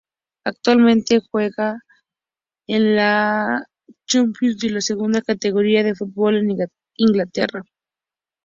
Actualmente juega en la Football League Championship, la segunda categoría de fútbol en Inglaterra.